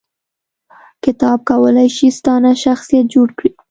کتاب کولای شي ستا نه شخصیت جوړ کړي